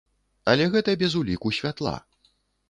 Але гэта без ўліку святла.